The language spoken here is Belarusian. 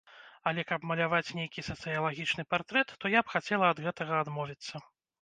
Але каб маляваць нейкі сацыялагічны партрэт, то я б хацела ад гэтага адмовіцца.